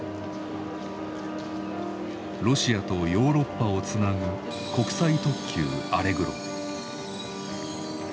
ロシアとヨーロッパをつなぐ国際特急アレグロ。